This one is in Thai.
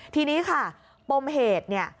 ทีนี้ค่ะปมเหตุ